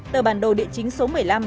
tờ bản đồ địa chính số một mươi năm